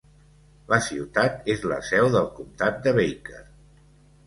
La ciutat és la seu del comtat de Baker.